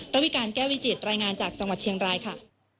ระวิการแก้วิจิตรายงานจากจังหวัดเชียงรายค่ะ